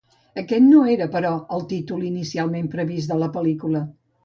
Aquest no era, però, el títol inicialment previst de la pel·lícula.